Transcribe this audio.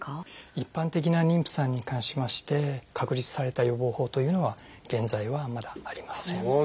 一般的な妊婦さんに関しまして確立された予防法というのは現在はまだありません。